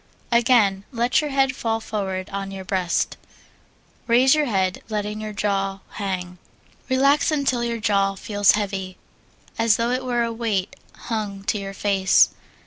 Again, let your head fall forward on your breast; raise your head, letting your jaw hang. Relax until your jaw feels heavy, as though it were a weight hung to your face.